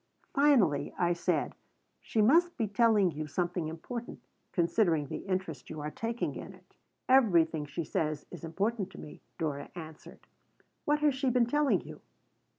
Finally I said: "She must be telling you something important, considering the interest you are taking in it." "Everything she says is important to me," Dora answered "What has she been telling you?"